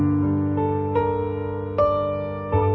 อ่ง